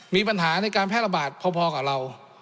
มีปัญหาในการแพร่ระบาดพอกับเรา